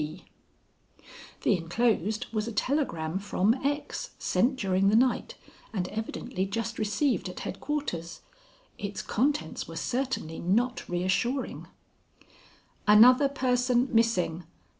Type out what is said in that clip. G." The inclosed was a telegram from X., sent during the night, and evidently just received at Headquarters. Its contents were certainly not reassuring: "Another person missing.